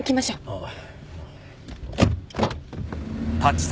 ああ。